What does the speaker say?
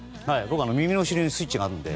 僕は耳の後ろにスイッチがあるので。